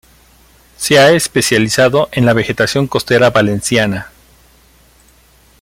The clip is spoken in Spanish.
Se ha especializado en la vegetación costera valenciana.